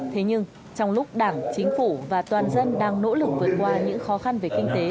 thế nhưng trong lúc đảng chính phủ và toàn dân đang nỗ lực vượt qua những khó khăn về kinh tế